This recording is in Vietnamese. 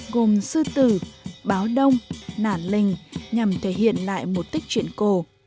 gồm sư tử báo đông nản lình nhằm thể hiện lại một tích truyện cổ